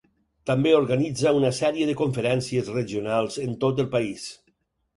També organitza una sèrie de conferències regionals en tot el país.